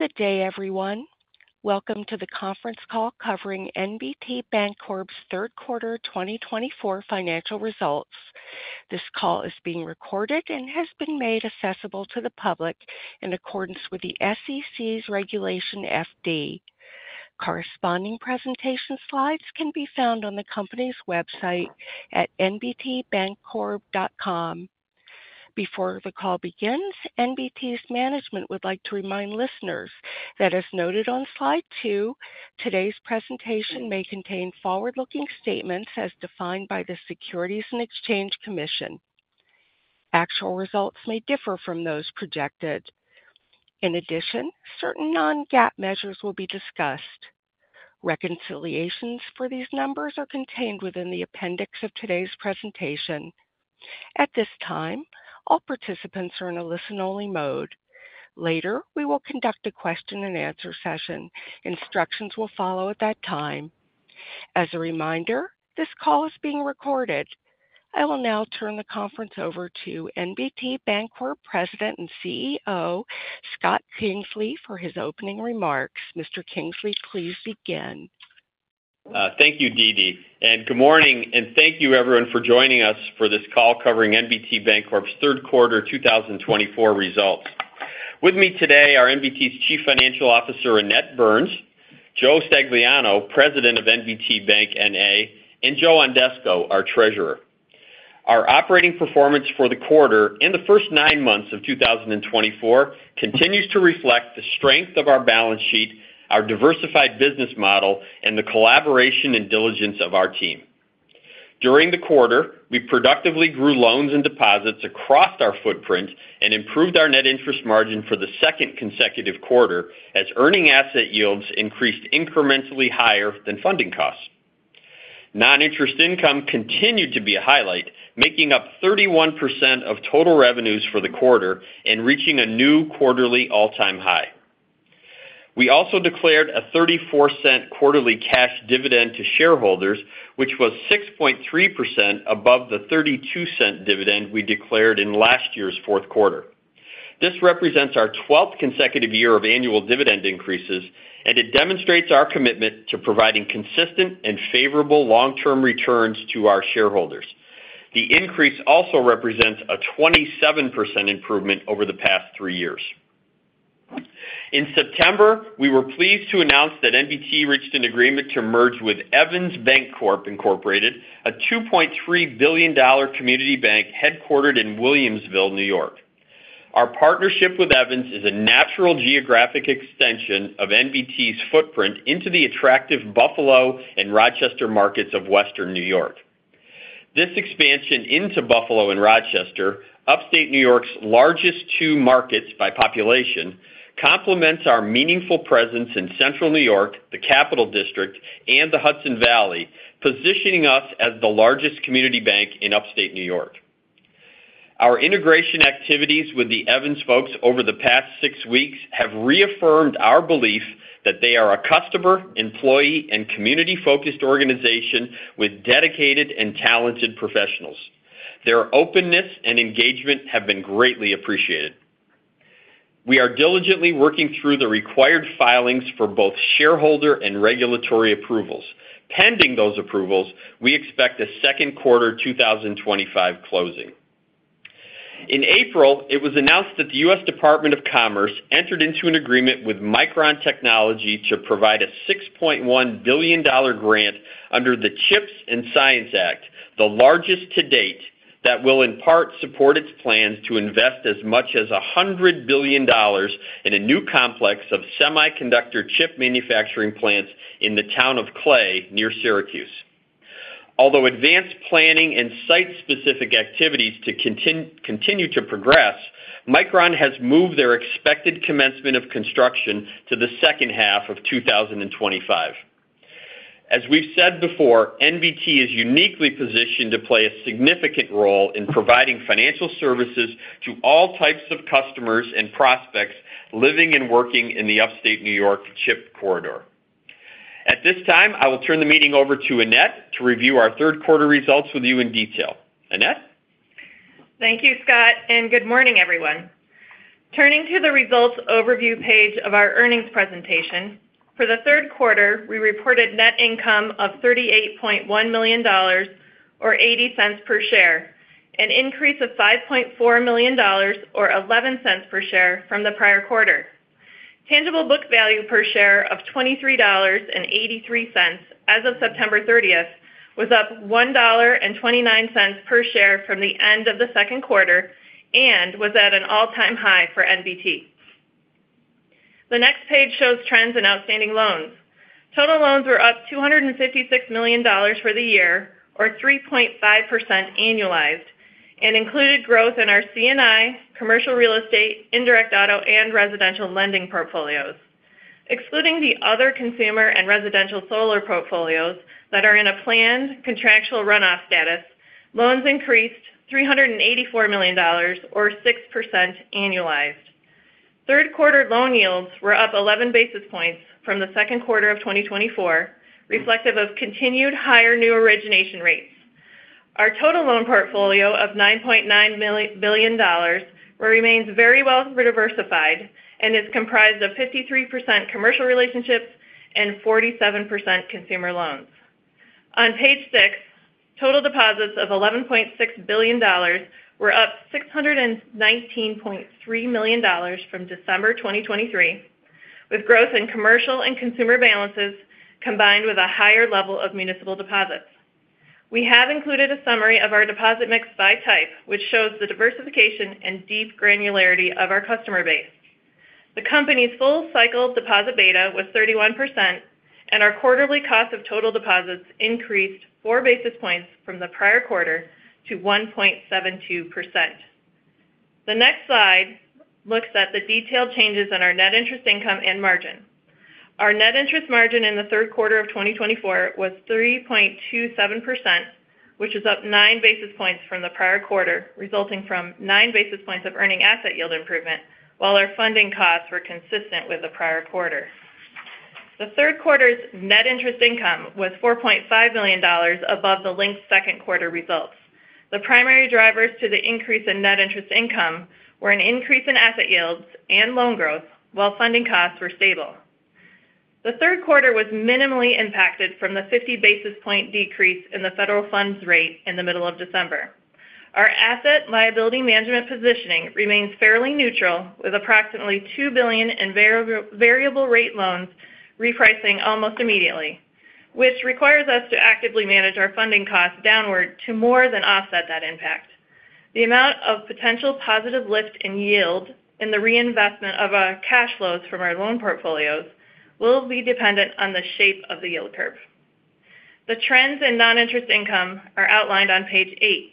Good day, everyone. Welcome to the conference call covering NBT Bancorp's Third Quarter 2024 Financial Results. This call is being recorded and has been made accessible to the public in accordance with the SEC's Regulation FD. Corresponding presentation slides can be found on the company's website at nbtbancorp.com. Before the call begins, NBT's management would like to remind listeners that, as noted on slide two, today's presentation may contain forward-looking statements as defined by the Securities and Exchange Commission. Actual results may differ from those projected. In addition, certain non-GAAP measures will be discussed. Reconciliations for these numbers are contained within the appendix of today's presentation. At this time, all participants are in a listen-only mode. Later, we will conduct a question-and-answer session. Instructions will follow at that time. As a reminder, this call is being recorded. I will now turn the conference over to NBT Bancorp President and CEO, Scott Kingsley, for his opening remarks. Mr. Kingsley, please begin. Thank you, Dede, and good morning, and thank you, everyone, for joining us for this call covering NBT Bancorp's Third Quarter 2024 Results. With me today are NBT's Chief Financial Officer, Annette Burns, Joe Stagliano, President of NBT Bank, N.A., and Joe Ondesko, our Treasurer. Our operating performance for the quarter and the first nine months of 2024 continues to reflect the strength of our balance sheet, our diversified business model, and the collaboration and diligence of our team. During the quarter, we productively grew loans and deposits across our footprint and improved our net interest margin for the second consecutive quarter as earning asset yields increased incrementally higher than funding costs. Non-interest income continued to be a highlight, making up 31% of total revenues for the quarter and reaching a new quarterly all-time high. We also declared a $0.34 quarterly cash dividend to shareholders, which was 6.3% above the $0.32 dividend we declared in last year's fourth quarter. This represents our 12th consecutive year of annual dividend increases, and it demonstrates our commitment to providing consistent and favorable long-term returns to our shareholders. The increase also represents a 27% improvement over the past three years. In September, we were pleased to announce that NBT reached an agreement to merge with Evans Bancorp Incorporated, a $2.3 billion community bank headquartered in Williamsville, New York. Our partnership with Evans is a natural geographic extension of NBT's footprint into the attractive Buffalo and Rochester markets of Western New York. This expansion into Buffalo and Rochester, Upstate New York's largest two markets by population, complements our meaningful presence in Central New York, the Capital District, and the Hudson Valley, positioning us as the largest community bank in Upstate New York. Our integration activities with the Evans folks over the past six weeks have reaffirmed our belief that they are a customer, employee, and community-focused organization with dedicated and talented professionals. Their openness and engagement have been greatly appreciated. We are diligently working through the required filings for both shareholder and regulatory approvals. Pending those approvals, we expect a second quarter 2025 closing. In April, it was announced that the U.S. Department of Commerce entered into an agreement with Micron Technology to provide a $6.1 billion grant under the CHIPS and Science Act, the largest to date, that will in part support its plans to invest as much as $100 billion in a new complex of semiconductor chip manufacturing plants in the Town of Clay near Syracuse. Although advanced planning and site-specific activities continue to progress, Micron has moved their expected commencement of construction to the second half of 2025. As we've said before, NBT is uniquely positioned to play a significant role in providing financial services to all types of customers and prospects living and working in the Upstate New York chip corridor. At this time, I will turn the meeting over to Annette to review our third quarter results with you in detail. Annette? Thank you, Scott, and good morning, everyone. Turning to the results overview page of our earnings presentation, for the third quarter, we reported net income of $38.1 million, or $0.80 per share, an increase of $5.4 million, or $0.11 per share, from the prior quarter. Tangible book value per share of $23.83 as of September 30 was up $1.29 per share from the end of the second quarter and was at an all-time high for NBT. The next page shows trends in outstanding loans. Total loans were up $256 million for the year, or 3.5% annualized, and included growth in our C&I, commercial real estate, indirect auto, and residential lending portfolios. Excluding the other consumer and residential solar portfolios that are in a planned contractual runoff status, loans increased $384 million, or 6% annualized. Third quarter loan yields were up 11 basis points from the second quarter of 2024, reflective of continued higher new origination rates. Our total loan portfolio of $9.9 billion remains very well diversified and is comprised of 53% commercial relationships and 47% consumer loans. On page six, total deposits of $11.6 billion were up $619.3 million from December 2023, with growth in commercial and consumer balances combined with a higher level of municipal deposits. We have included a summary of our deposit mix by type, which shows the diversification and deep granularity of our customer base. The company's full-cycle deposit beta was 31%, and our quarterly cost of total deposits increased 4 basis points from the prior quarter to 1.72%. The next slide looks at the detailed changes in our net interest income and margin. Our net interest margin in the third quarter of 2024 was 3.27%, which is up 9 basis points from the prior quarter, resulting from 9 basis points of earning asset yield improvement, while our funding costs were consistent with the prior quarter. The third quarter's net interest income was $4.5 million above the linked second quarter results. The primary drivers to the increase in net interest income were an increase in asset yields and loan growth, while funding costs were stable. The third quarter was minimally impacted from the 50 basis point decrease in the federal funds rate in the middle of December. Our asset liability management positioning remains fairly neutral, with approximately $2 billion in variable rate loans repricing almost immediately, which requires us to actively manage our funding costs downward to more than offset that impact. The amount of potential positive lift in yield in the reinvestment of our cash flows from our loan portfolios will be dependent on the shape of the yield curve. The trends in non-interest income are outlined on page eight.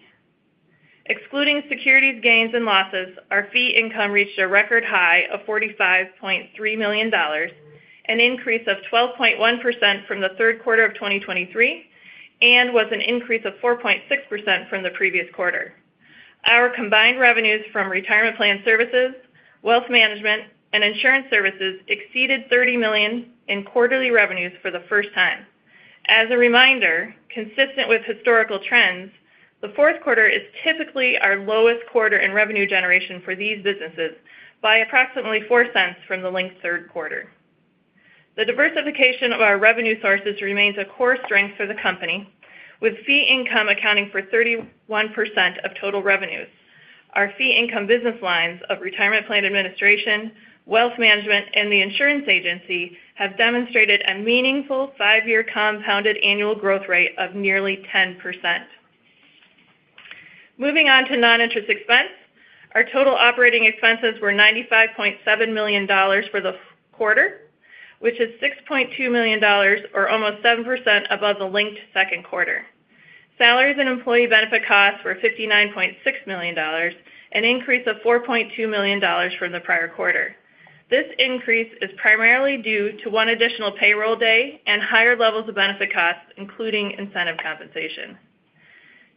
Excluding securities gains and losses, our fee income reached a record high of $45.3 million, an increase of 12.1% from the third quarter of 2023, and was an increase of 4.6% from the previous quarter. Our combined revenues from retirement plan services, wealth management, and insurance services exceeded $30 million in quarterly revenues for the first time. As a reminder, consistent with historical trends, the fourth quarter is typically our lowest quarter in revenue generation for these businesses by approximately $0.04 from the linked third quarter. The diversification of our revenue sources remains a core strength for the company, with fee income accounting for 31% of total revenues. Our fee income business lines of retirement plan administration, wealth management, and the insurance agency have demonstrated a meaningful five-year compounded annual growth rate of nearly 10%. Moving on to non-interest expense, our total operating expenses were $95.7 million for the quarter, which is $6.2 million, or almost 7% above the linked second quarter. Salaries and employee benefit costs were $59.6 million, an increase of $4.2 million from the prior quarter. This increase is primarily due to one additional payroll day and higher levels of benefit costs, including incentive compensation.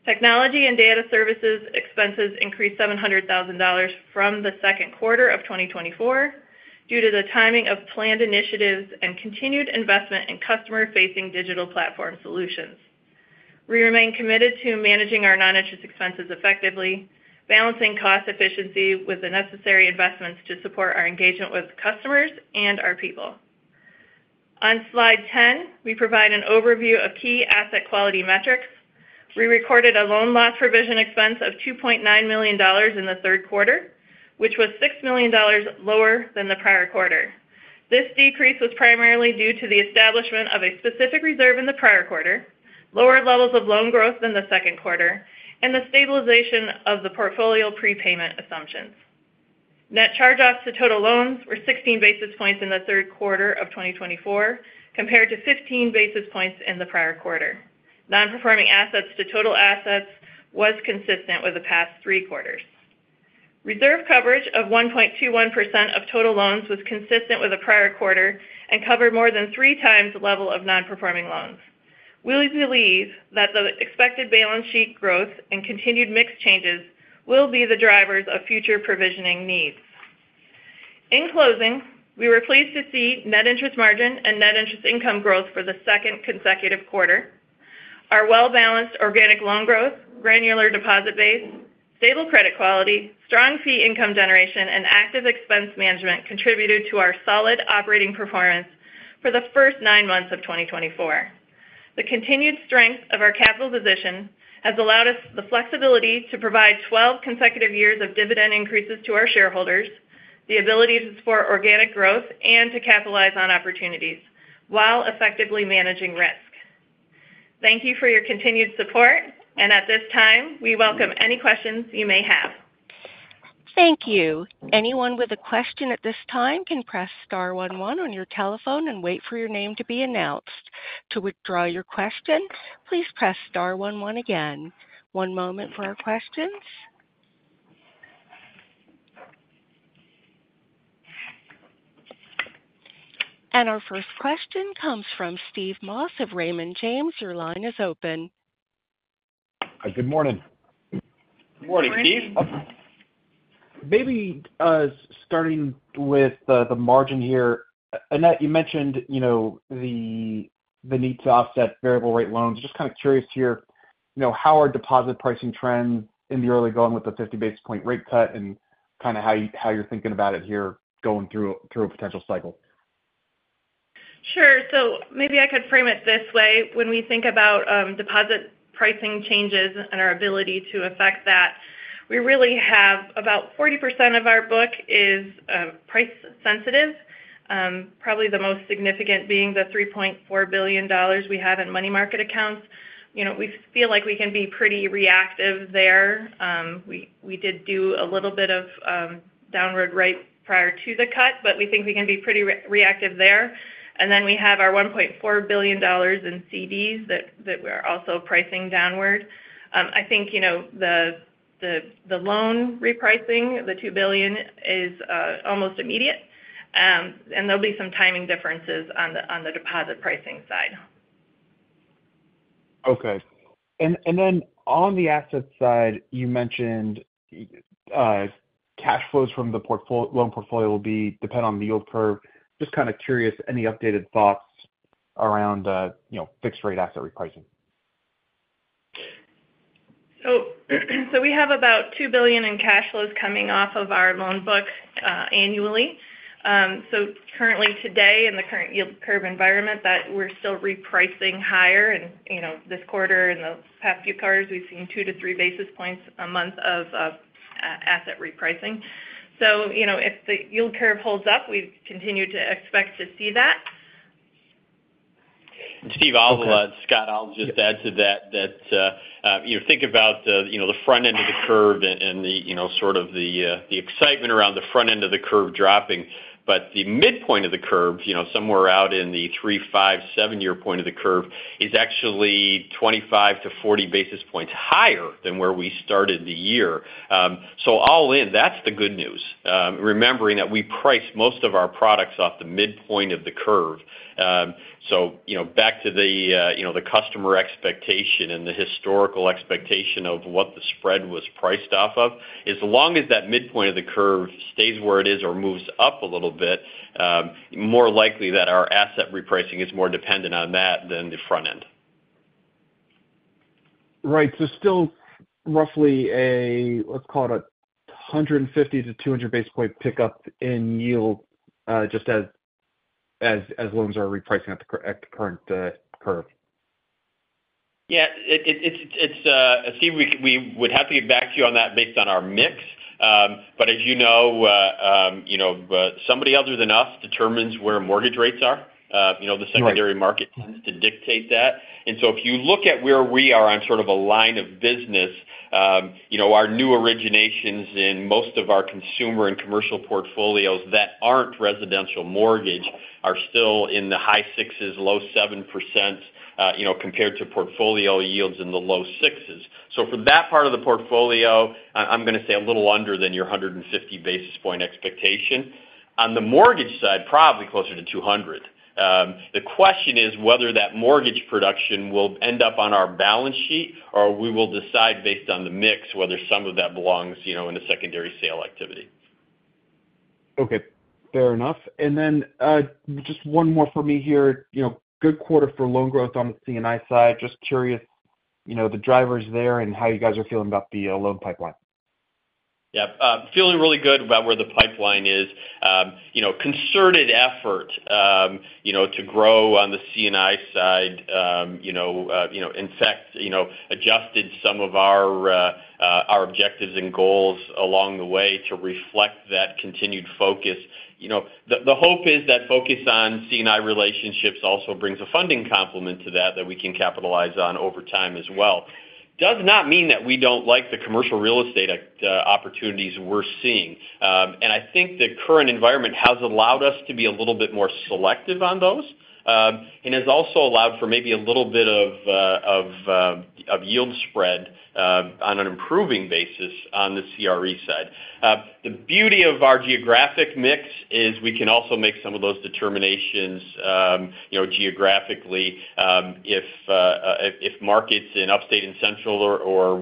Technology and data services expenses increased $700,000 from the second quarter of 2024 due to the timing of planned initiatives and continued investment in customer-facing digital platform solutions. We remain committed to managing our non-interest expenses effectively, balancing cost efficiency with the necessary investments to support our engagement with customers and our people. On slide 10, we provide an overview of key asset quality metrics. We recorded a loan loss provision expense of $2.9 million in the third quarter, which was $6 million lower than the prior quarter. This decrease was primarily due to the establishment of a specific reserve in the prior quarter, lower levels of loan growth than the second quarter, and the stabilization of the portfolio prepayment assumptions. Net charge-offs to total loans were 16 basis points in the third quarter of 2024, compared to 15 basis points in the prior quarter. Non-performing assets to total assets was consistent with the past three quarters. Reserve coverage of 1.21% of total loans was consistent with the prior quarter and covered more than three times the level of non-performing loans. We believe that the expected balance sheet growth and continued mix changes will be the drivers of future provisioning needs. In closing, we were pleased to see net interest margin and net interest income growth for the second consecutive quarter. Our well-balanced organic loan growth, granular deposit base, stable credit quality, strong fee income generation, and active expense management contributed to our solid operating performance for the first nine months of 2024. The continued strength of our capital position has allowed us the flexibility to provide 12 consecutive years of dividend increases to our shareholders, the ability to support organic growth, and to capitalize on opportunities while effectively managing risk. Thank you for your continued support, and at this time, we welcome any questions you may have. Thank you. Anyone with a question at this time can press star one one on your telephone and wait for your name to be announced. To withdraw your question, please press star one one again. One moment for our questions, and our first question comes from Steve Moss of Raymond James. Your line is open. Good morning. Good morning, Steve. Maybe starting with the margin here, Annette, you mentioned the need to offset variable rate loans. Just kind of curious to hear how are deposit pricing trends in the early going with the 50 basis point rate cut and kind of how you're thinking about it here going through a potential cycle? Sure. So maybe I could frame it this way. When we think about deposit pricing changes and our ability to affect that, we really have about 40% of our book is price-sensitive, probably the most significant being the $3.4 billion we have in money market accounts. We feel like we can be pretty reactive there. We did do a little bit of downward right prior to the cut, but we think we can be pretty reactive there. And then we have our $1.4 billion in CDs that we're also pricing downward. I think the loan repricing, the $2 billion, is almost immediate, and there'll be some timing differences on the deposit pricing side. Okay. And then on the asset side, you mentioned cash flows from the loan portfolio will depend on the yield curve. Just kind of curious, any updated thoughts around fixed-rate asset repricing? We have about $2 billion in cash flows coming off of our loan book annually. Currently today, in the current yield curve environment, we're still repricing higher. This quarter and the past few quarters, we've seen two-to-three basis points a month of asset repricing. If the yield curve holds up, we continue to expect to see that. Steve Moss, Scott, I'll just add to that. Think about the front end of the curve and sort of the excitement around the front end of the curve dropping, but the midpoint of the curve, somewhere out in the three, five, seven-year point of the curve, is actually 25-40 basis points higher than where we started the year. All in, that's the good news, remembering that we price most of our products off the midpoint of the curve. Back to the customer expectation and the historical expectation of what the spread was priced off of, as long as that midpoint of the curve stays where it is or moves up a little bit, more likely that our asset repricing is more dependent on that than the front end. Right. So still roughly a, let's call it a 150-200 basis point pickup in yield just as loans are repricing at the current curve. Yeah. Steve, we would have to get back to you on that based on our mix. But as you know, somebody other than us determines where mortgage rates are. The secondary market tends to dictate that. And so if you look at where we are on sort of a line of business, our new originations in most of our consumer and commercial portfolios that aren't residential mortgage are still in the high sixes, low 7% compared to portfolio yields in the low sixes. So for that part of the portfolio, I'm going to say a little under than your 150 basis point expectation. On the mortgage side, probably closer to 200. The question is whether that mortgage production will end up on our balance sheet or we will decide based on the mix whether some of that belongs in the secondary sale activity. Okay. Fair enough, and then just one more for me here. Good quarter for loan growth on the C&I side. Just curious about the drivers there and how you guys are feeling about the loan pipeline? Yeah. Feeling really good about where the pipeline is. Concerted effort to grow on the C&I side, in fact, adjusted some of our objectives and goals along the way to reflect that continued focus. The hope is that focus on C&I relationships also brings a funding complement to that that we can capitalize on over time as well. Does not mean that we don't like the commercial real estate opportunities we're seeing, and I think the current environment has allowed us to be a little bit more selective on those and has also allowed for maybe a little bit of yield spread on an improving basis on the CRE side. The beauty of our geographic mix is we can also make some of those determinations geographically if markets in Upstate and Central or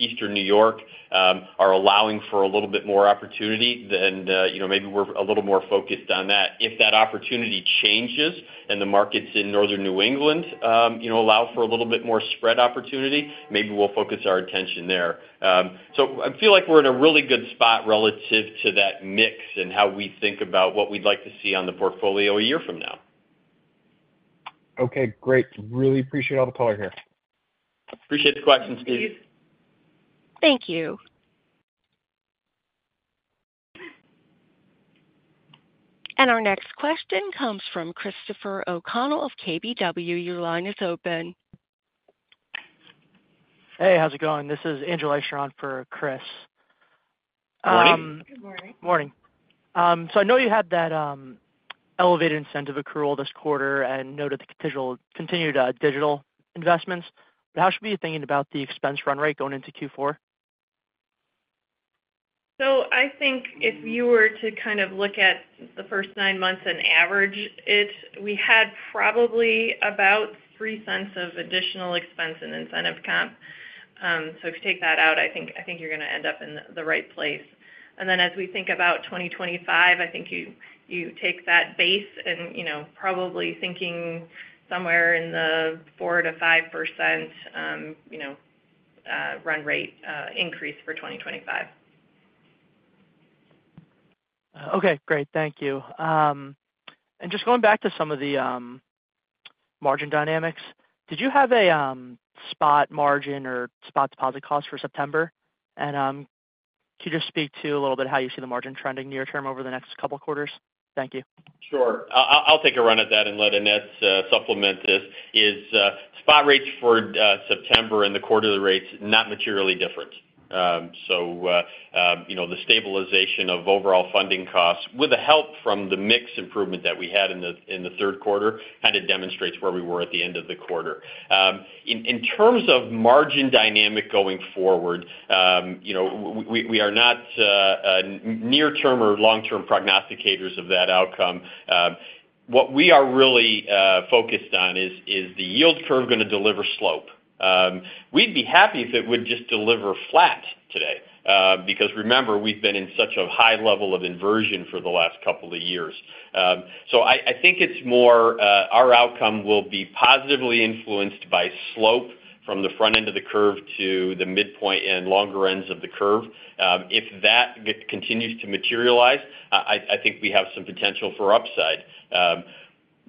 Eastern New York are allowing for a little bit more opportunity than maybe we're a little more focused on that. If that opportunity changes and the markets in Northern New England allow for a little bit more spread opportunity, maybe we'll focus our attention there. So I feel like we're in a really good spot relative to that mix and how we think about what we'd like to see on the portfolio a year from now. Okay. Great. Really appreciate all the color here. Appreciate the questions, Steve. Thank you. Thank you, and our next question comes from Christopher O'Connell of KBW. Your line is open. Hey, how's it going? This is Angel Achar for Chris. Morning. Good morning. Morning. So I know you had that elevated incentive accrual this quarter and noted the continued digital investments. How should we be thinking about the expense run rate going into Q4? So I think if you were to kind of look at the first nine months and average it, we had probably about $0.03 of additional expense and incentive comp. So if you take that out, I think you're going to end up in the right place. And then as we think about 2025, I think you take that base and probably thinking somewhere in the 4%-5% run rate increase for 2025. Okay. Great. Thank you. And just going back to some of the margin dynamics, did you have a spot margin or spot deposit cost for September? And could you just speak to a little bit how you see the margin trending near term over the next couple of quarters? Thank you. Sure. I'll take a run at that and let Annette supplement this. Spot rates for September and the quarterly rates not materially different. So the stabilization of overall funding costs, with the help from the mix improvement that we had in the third quarter, kind of demonstrates where we were at the end of the quarter. In terms of margin dynamic going forward, we are not near-term or long-term prognosticators of that outcome. What we are really focused on is the yield curve going to deliver slope. We'd be happy if it would just deliver flat today, because remember, we've been in such a high level of inversion for the last couple of years. So I think it's more our outcome will be positively influenced by slope from the front end of the curve to the midpoint and longer ends of the curve. If that continues to materialize, I think we have some potential for upside.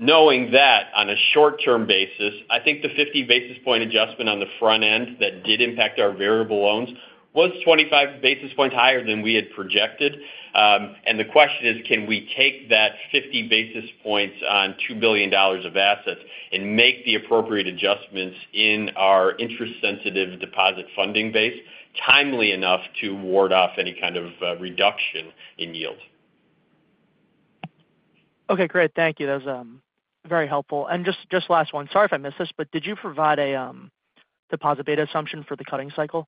Knowing that on a short-term basis, I think the 50 basis point adjustment on the front end that did impact our variable loans was 25 basis points higher than we had projected. And the question is, can we take that 50 basis points on $2 billion of assets and make the appropriate adjustments in our interest-sensitive deposit funding base timely enough to ward off any kind of reduction in yield? Okay. Great. Thank you. That was very helpful, and just last one. Sorry if I missed this, but did you provide a deposit beta assumption for the cutting cycle?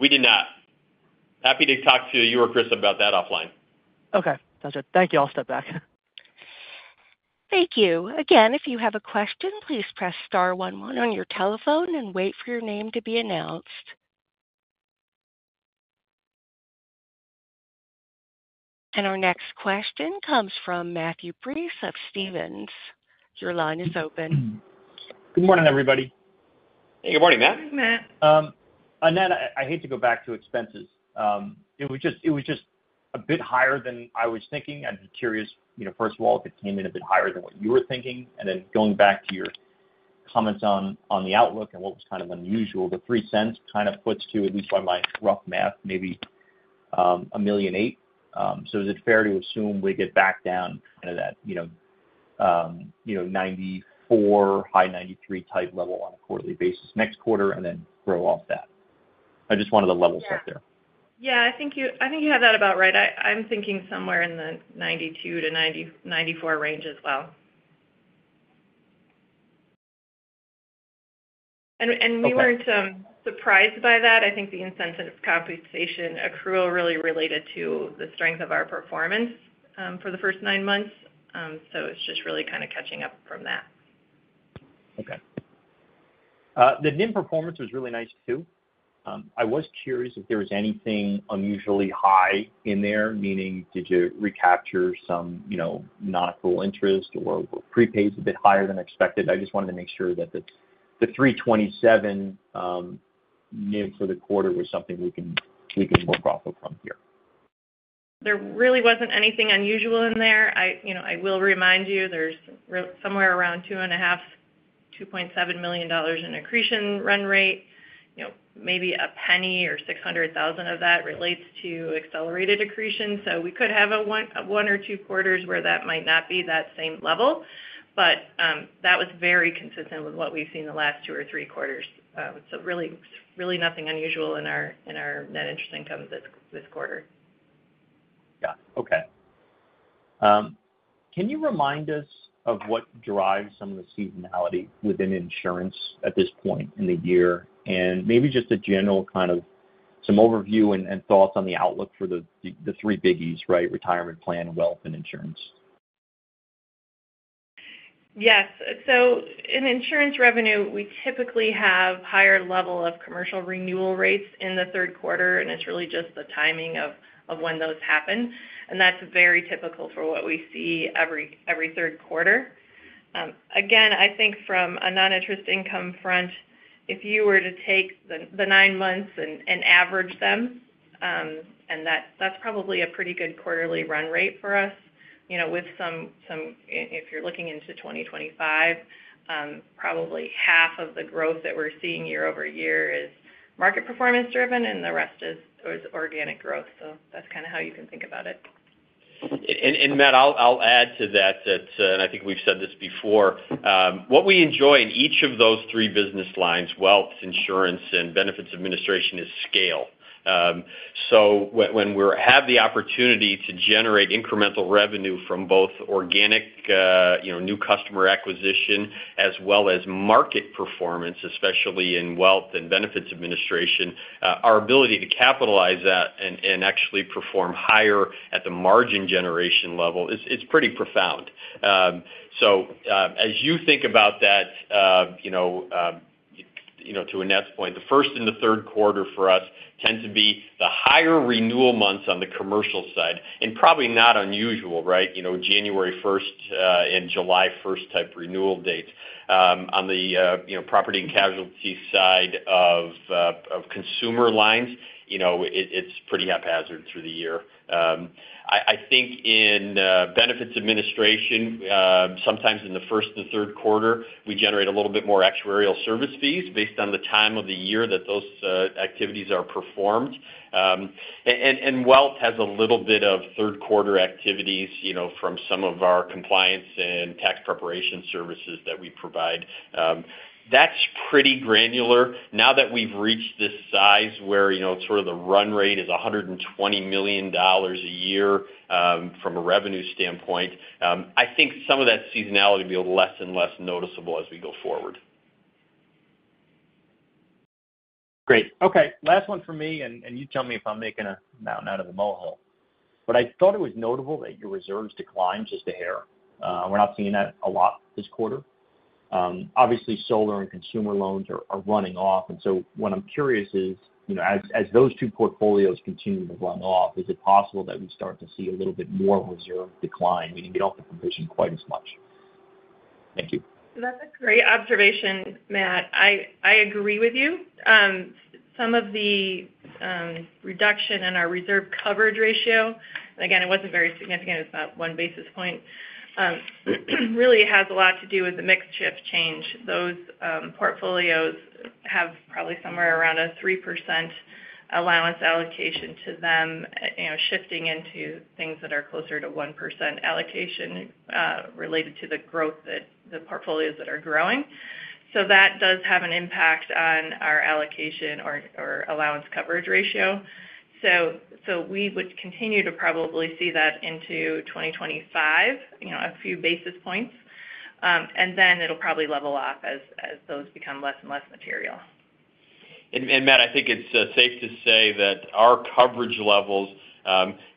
We did not. Happy to talk to you or Chris about that offline. Okay. That's it. Thank you. I'll step back. Thank you. Again, if you have a question, please press star one one on your telephone and wait for your name to be announced. And our next question comes from Matthew Breese of Stephens. Your line is open. Good morning, everybody. Hey. Good morning, Matt. Hey, Matt. Annette, I hate to go back to expenses. It was just a bit higher than I was thinking. I'd be curious, first of all, if it came in a bit higher than what you were thinking. And then going back to your comments on the outlook and what was kind of unusual, the $0.03 kind of puts to, at least by my rough math, maybe $1.8 million. So is it fair to assume we get back down kind of that 94, high 93 type level on a quarterly basis next quarter and then grow off that? I just wanted the levels up there. Yeah. Yeah. I think you have that about right. I'm thinking somewhere in the 92-94 range as well. And we weren't surprised by that. I think the incentive compensation accrual really related to the strength of our performance for the first nine months, so it's just really kind of catching up from that. Okay. The NIM performance was really nice too. I was curious if there was anything unusually high in there, meaning did you recapture some non-accrual interest or were prepays a bit higher than expected? I just wanted to make sure that the 327 NIM for the quarter was something we can work off of from here. There really wasn't anything unusual in there. I will remind you, there's somewhere around $2.5 million-$2.7 million in accretion run rate. Maybe a penny or $600,000 of that relates to accelerated accretion. So we could have one or two quarters where that might not be that same level. But that was very consistent with what we've seen the last two or three quarters. So really nothing unusual in our net interest income this quarter. Got it. Okay. Can you remind us of what drives some of the seasonality within insurance at this point in the year? And maybe just a general kind of some overview and thoughts on the outlook for the three biggies, right? Retirement plan, wealth, and insurance. Yes. So in insurance revenue, we typically have a higher level of commercial renewal rates in the third quarter, and it's really just the timing of when those happen. And that's very typical for what we see every third quarter. Again, I think from a non-interest income front, if you were to take the nine months and average them, and that's probably a pretty good quarterly run rate for us with some, if you're looking into 2025, probably half of the growth that we're seeing year-over-year is market performance-driven, and the rest is organic growth. So that's kind of how you can think about it. And Matt, I'll add to that, and I think we've said this before. What we enjoy in each of those three business lines, wealth, insurance, and benefits administration, is scale. So when we have the opportunity to generate incremental revenue from both organic new customer acquisition as well as market performance, especially in wealth and benefits administration, our ability to capitalize that and actually perform higher at the margin generation level, it's pretty profound. So as you think about that, to Annette's point, the first and the third quarter for us tend to be the higher renewal months on the commercial side. And probably not unusual, right? January 1st and July 1st type renewal dates. On the property and casualty side of consumer lines, it's pretty haphazard through the year. I think in benefits administration, sometimes in the first and the third quarter, we generate a little bit more actuarial service fees based on the time of the year that those activities are performed, and wealth has a little bit of third quarter activities from some of our compliance and tax preparation services that we provide. That's pretty granular. Now that we've reached this size where sort of the run rate is $120 million a year from a revenue standpoint, I think some of that seasonality will be less and less noticeable as we go forward. Great. Okay. Last one for me, and you tell me if I'm making a mountain out of a molehill. But I thought it was notable that your reserves declined just a hair. We're not seeing that a lot this quarter. Obviously, solar and consumer loans are running off. And so what I'm curious is, as those two portfolios continue to run off, is it possible that we start to see a little bit more reserve decline, meaning we don't have to provision quite as much? Thank you. That's a great observation, Matt. I agree with you. Some of the reduction in our reserve coverage ratio, again, it wasn't very significant. It's about one basis point, really has a lot to do with the mix shift change. Those portfolios have probably somewhere around a 3% allowance allocation to them, shifting into things that are closer to 1% allocation related to the growth that the portfolios that are growing. So that does have an impact on our allocation or allowance coverage ratio. So we would continue to probably see that into 2025, a few basis points. And then it'll probably level off as those become less and less material. And Matt, I think it's safe to say that our coverage levels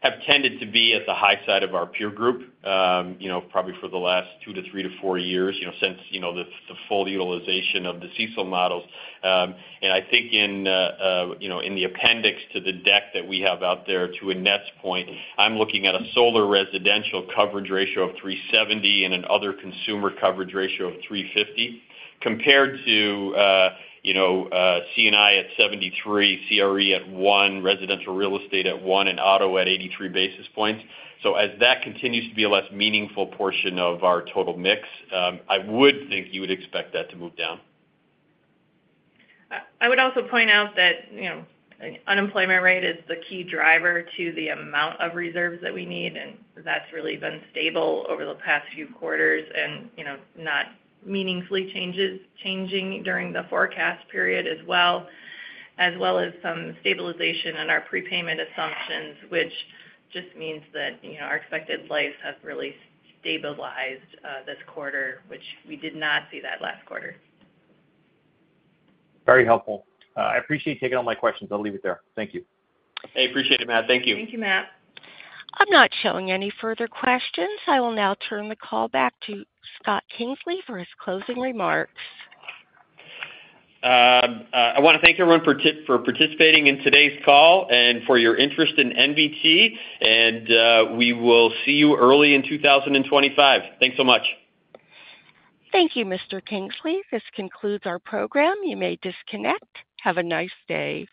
have tended to be at the high side of our peer group, probably for the last two to three to four years since the full utilization of the CECL models. And I think in the appendix to the deck that we have out there to Annette's point, I'm looking at a solar residential coverage ratio of 370 and another consumer coverage ratio of 350 compared to C&I at 73, CRE at 1, residential real estate at 1, and auto at 83 basis points. So as that continues to be a less meaningful portion of our total mix, I would think you would expect that to move down. I would also point out that unemployment rate is the key driver to the amount of reserves that we need, and that's really been stable over the past few quarters and not meaningfully changing during the forecast period as well, as well as some stabilization in our prepayment assumptions, which just means that our expected life has really stabilized this quarter, which we did not see that last quarter. Very helpful. I appreciate taking all my questions. I'll leave it there. Thank you. Hey, appreciate it, Matt. Thank you. Thank you, Matt. I'm not showing any further questions. I will now turn the call back to Scott Kingsley for his closing remarks. I want to thank everyone for participating in today's call and for your interest in NBT, and we will see you early in 2025. Thanks so much. Thank you, Mr. Kingsley. This concludes our program. You may disconnect. Have a nice day.